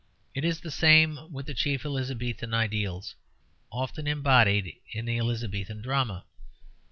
It is the same with the chief Elizabethan ideals, often embodied in the Elizabethan drama.